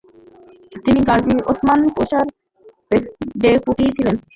তিনি Gazi Osman পাশার deputy ছিলেন।